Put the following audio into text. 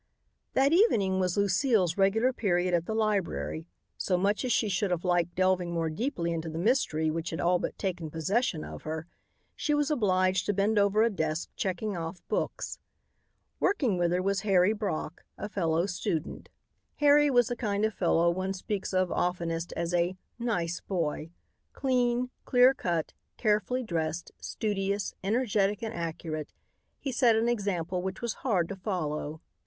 That evening was Lucile's regular period at the library, so, much as she should have liked delving more deeply into the mystery which had all but taken possession of her, she was obliged to bend over a desk checking off books. Working with her was Harry Brock, a fellow student. Harry was the kind of fellow one speaks of oftenest as a "nice boy." Clean, clear cut, carefully dressed, studious, energetic and accurate, he set an example which was hard to follow.